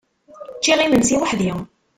Ččiɣ imensi weḥd-i.